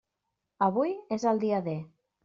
Avui és el dia D.